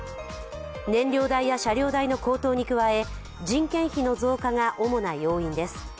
燃料代や車両代の高騰に加え人件費の増加が主な要因です。